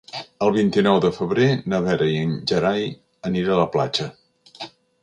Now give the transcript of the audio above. El vint-i-nou de febrer na Vera i en Gerai aniré a la platja.